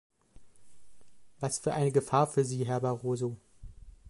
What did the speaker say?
Was für eine Gefahr für Sie, Herr Barroso!